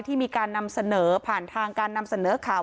ที่มีการนำเสนอผ่านทางการนำเสนอข่าว